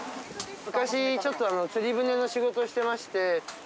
昔、ちょっと釣り船の仕事をしてまして。